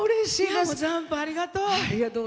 「残波」、ありがとう！